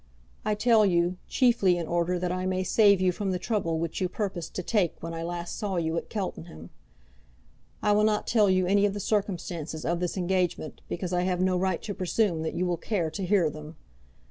I tell you, chiefly in order that I may save you from the trouble which you purposed to take when I last saw you at Cheltenham. I will not tell you any of the circumstances of this engagement, because I have no right to presume that you will care to hear them.